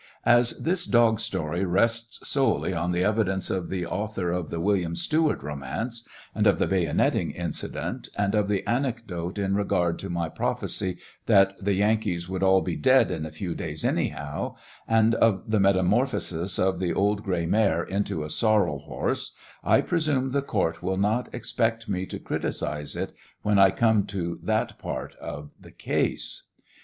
As this dog story rests solely on the evidence of the author of the " Wm. Stewart" romance, and of the bayoneting incident, and of the anecdote in regard to my TEIAL OF HENRY WIKZ 715 prophecy that the Yankees would all be dead in a few days anyhow, and of the metamorphosis of the old gray mare into a sorrel horse, I presume the court will not expect me to criticise it when I come to that part of the case.